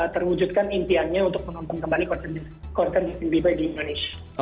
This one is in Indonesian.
terwujudkan impiannya untuk menonton kembali konser di b bay di indonesia